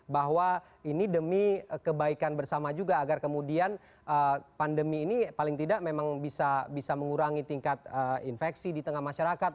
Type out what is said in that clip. bahwa ini demi kebaikan bersama juga agar kemudian pandemi ini paling tidak memang bisa mengurangi tingkat infeksi di tengah masyarakat